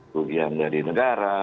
kerugian dari negara